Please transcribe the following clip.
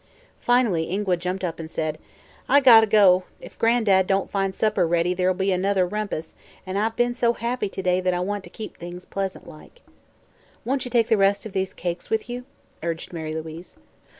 Finally Ingua jumped up and said: "I gotta go. If Gran'dad don't find supper ready there'll be another rumpus, an' I've been so happy to day that I want to keep things pleasant like." "Won't you take the rest of these cakes with you?" urged Mary Louise.